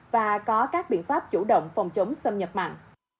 và có các biện pháp chủ động phòng chống xâm nhập mặn